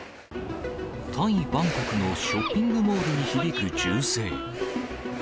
タイ・バンコクのショッピングモールに響く銃声。